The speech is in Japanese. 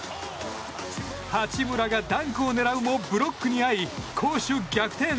八村がダンクを狙うもブロックに遭い、攻守逆転。